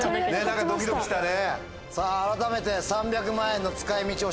何かドキドキしたね。